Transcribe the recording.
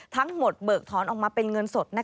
ทั้งหมดเบิกท้อนออกมาเป็นเงินสด